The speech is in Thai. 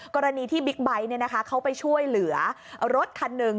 กรณีที่บิ๊กไบท์เขาไปช่วยเหลือรถคันหนึ่ง